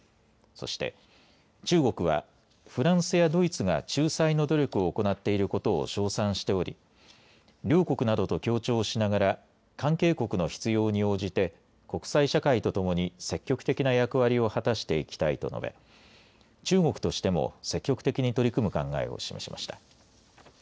そして中国はフランスやドイツが仲裁の努力を行っていることを称賛しており両国などと協調しながら関係国の必要に応じて国際社会とともに積極的な役割を果たしていきたいと述べ中国としても積極的に取り組む考えを示しました。